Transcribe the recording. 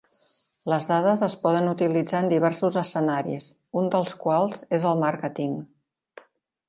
Les dades es poden utilitzar en diversos escenaris, un dels quals és el màrqueting.